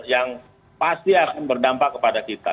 yang pasti akan berdampak kepada kita